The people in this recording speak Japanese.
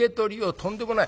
「とんでもない。